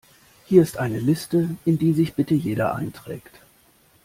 Hier ist eine Liste, in die sich bitte jeder einträgt.